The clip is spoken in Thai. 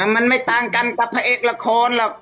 มันไม่ต่างกันกับพระเอกละครหรอก